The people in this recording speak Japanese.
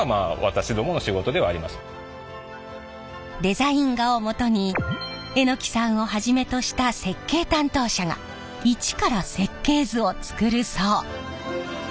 デザイン画をもとに榎さんをはじめとした設計担当者が一から設計図を作るそう。